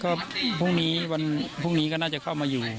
ก็พรุ่งนี้วันพรุ่งนี้ก็น่าจะเข้ามาอยู่